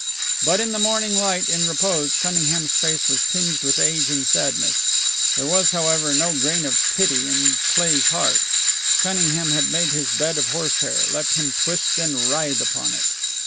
But in the morning light, in repose, Cunningham's face was tinged with age and sadness. There was, however, no grain of pity in Cleigh's heart. Cunningham had made his bed of horsehair; let him twist and writhe upon it.